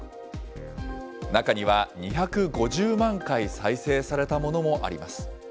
中には２５０万回再生されたものもあります。